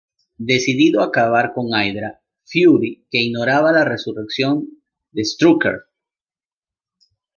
Decidido a acabar con Hydra, Fury que ignoraba la resurrección de Strucker.